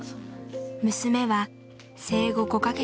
娘は生後５か月。